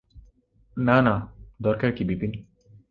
না না, দরকার কী– বিপিন।